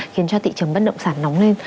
khiến cho thị trường bất động sản nóng lên